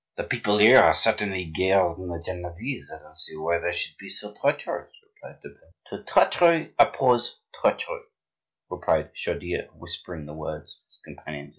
"The people here are certainly gayer than the Genevese. I don't see why they should be so treacherous," replied de Beze. "To treachery oppose treachery," replied Chaudieu, whispering the words in his companion's ear.